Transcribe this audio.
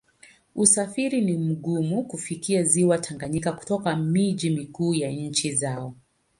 Usafiri ni mgumu kufikia Ziwa Tanganyika kutoka miji mikuu ya nchi zao.